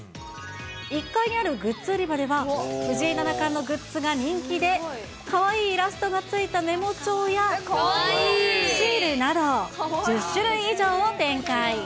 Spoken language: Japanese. １階にあるグッズ売り場では、藤井七冠のグッズが人気で、かわいいイラストがついたメモ帳や、シールなど、１０種類以上を展開。